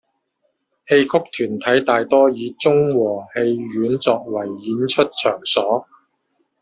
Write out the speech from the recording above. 戏曲团体大多以中和戏院作为演出场所。